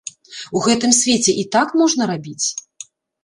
У гэтым свеце і так можна рабіць?!